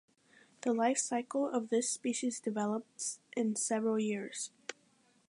The life cycle of this species develops in several years.